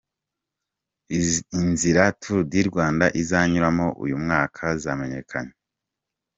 Inzira Tour du Rwanda izanyuramo uyu mwaka zamenyekanye.